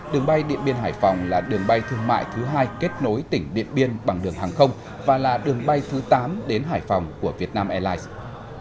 đường bay điện biên hải phòng là đường bay thương mại thứ hai kết nối tỉnh điện biên bằng đường hàng không và là đường bay thứ tám đến hải phòng của việt nam airlines